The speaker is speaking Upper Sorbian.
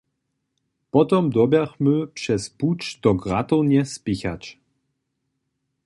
Potom dyrbjachmy přez puć do gratownje spěchać.